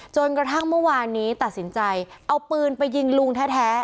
จนกระทั่งเมื่อวานนี้ตัดสินใจเอาปืนไปยิงลุงแท้